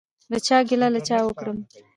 له چا ګیله له چا وکړم؟